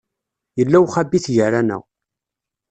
Yella uxabit gar-aneɣ.